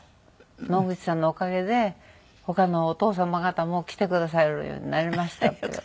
「野口さんのおかげで他のお父様方も来てくださるようになりました」って言われて。